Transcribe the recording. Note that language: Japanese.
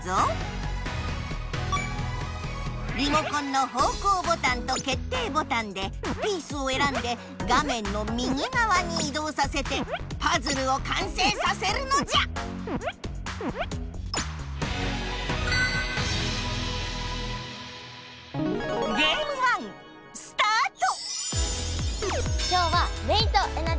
リモコンのほうこうボタンと決定ボタンでピースを選んで画めんの右がわにいどうさせてパズルを完成させるのじゃスタート！